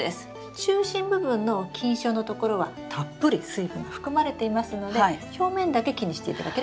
中心部分の菌床のところはたっぷり水分が含まれていますので表面だけ気にしていただければいいです。